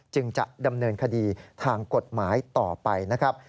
จึงจะดำเนินคดีทางกฎหมายต่อไปนะครับ